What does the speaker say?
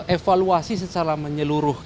evaluasi secara menyeluruh